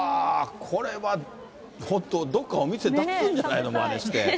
これは、本当、どっかお店出すんじゃないの、まねして。